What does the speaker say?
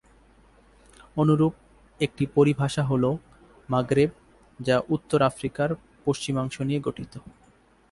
অনুরূপ একটি পরিভাষা হল মাগরেব যা উত্তর আফ্রিকার পশ্চিমাংশ নিয়ে গঠিত।